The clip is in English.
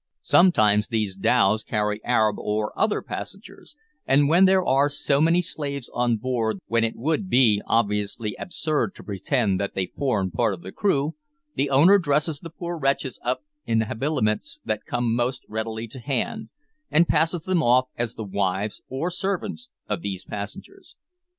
Sometimes these dhows carry Arab or other passengers, and when there are so many slaves on board that it would be obviously absurd to pretend that they formed part of the crew, the owner dresses the poor wretches up in the habiliments that come most readily to hand, and passes them off as the wives or servants of these passengers.